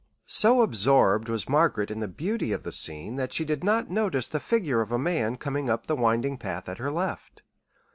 So absorbed was Margaret in the beauty of the scene that she did not notice the figure of a man coming up the winding path at her left.